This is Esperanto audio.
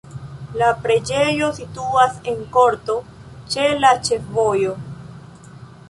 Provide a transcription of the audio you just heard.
La preĝejo situas en korto ĉe la ĉefvojo.